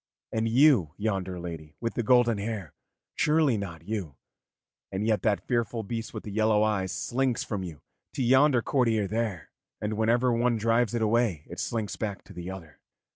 And you, yonder lady with the golden hair, surely not you and yet that fearful beast with the yellow eyes slinks from you to yonder courtier there, and whenever one drives it away it slinks back to the other.